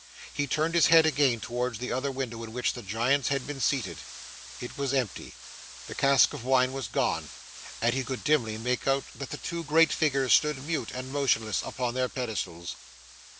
He turned his head again towards the other window in which the Giants had been seated. It was empty. The cask of wine was gone, and he could dimly make out that the two great figures stood mute and motionless upon their pedestals.